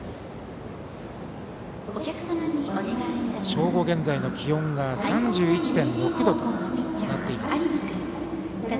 正午現在の気温が３１．６度となっています。